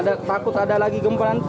jadi kan takut ada lagi gempa nanti